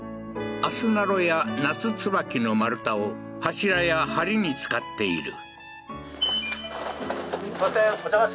アスナロやナツツバキの丸太を柱や梁に使っている。